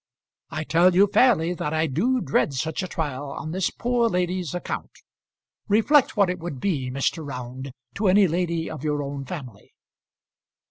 I tell you fairly that I do dread such a trial on this poor lady's account. Reflect what it would be, Mr. Round, to any lady of your own family."